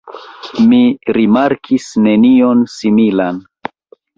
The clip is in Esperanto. Mi rimarkis nenion similan.